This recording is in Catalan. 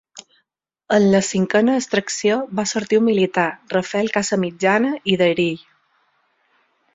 En la cinquena extracció va sortir un militar, Rafel Casamitjana i d’Erill.